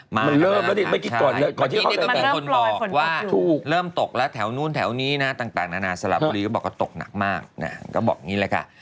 มันเริ่มมันเริ่มตกแล้วแถวนู้นแถวนี้นะต่างนะนะสลับบลีก็บอกว่าตกหนักมากมันก็บอกอันนี้เลยค่ะ